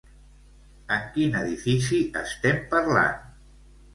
En quin edifici estem parlant?